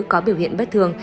có biểu hiện bất thường